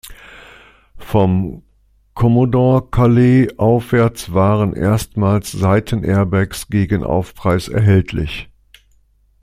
Vom Commodore Calais aufwärts waren erstmals Seitenairbags gegen Aufpreis erhältlich.